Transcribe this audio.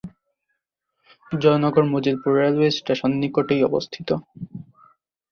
Joynagar Majilpur railway station নিকটেই অবস্থিত।